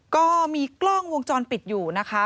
ก็มีกล้องวงจรปิดอยู่นะคะ